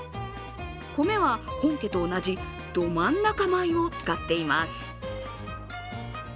米は本家と同じどまん中米を使っています。